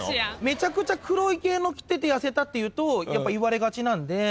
めちゃくちゃ黒い系の着てて痩せたって言うとやっぱ言われがちなんで。